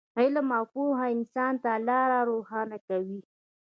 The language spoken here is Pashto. علم او پوهه انسان ته لاره روښانه کوي.